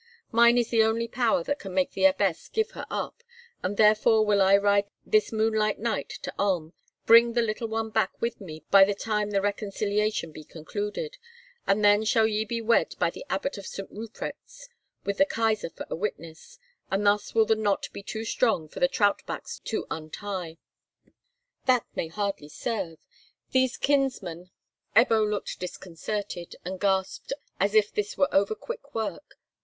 Mine is the only power that can make the abbess give her up, and therefore will I ride this moonlight night to Ulm, bring the little one back with me by the time the reconciliation be concluded, and then shall ye be wed by the Abbot of St. Ruprecht's, with the Kaisar for a witness, and thus will the knot be too strong for the Trautbachs to untie." Ebbo looked disconcerted, and gasped, as if this were over quick work.